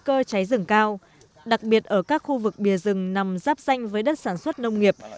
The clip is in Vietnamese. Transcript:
các khu vực trọng điểm có nguy cơ cháy rừng cao đặc biệt ở các khu vực bìa rừng nằm rắp xanh với đất sản xuất nông nghiệp